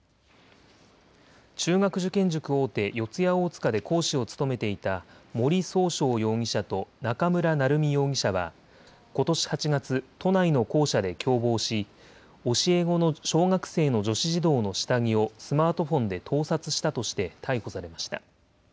中学受験塾大手、四谷大塚で講師を務めていた森崇翔容疑者と中村成美容疑者はことし８月、都内の校舎で共謀し教え子の小学生の女子児童の下着をスマートフォンで盗撮したとして逮捕されました。